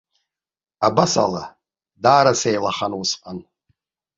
Абасала, даара сеилахан усҟан.